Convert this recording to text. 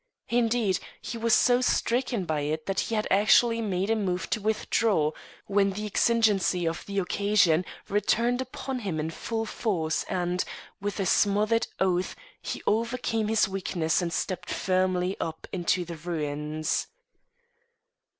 Indeed, he was so stricken by it that he had actually made a move to withdraw, when the exigency of the occasion returned upon him in full force, and, with a smothered oath, he overcame his weakness and stepped firmly up into the ruins.